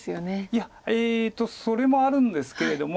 いやそれもあるんですけれども。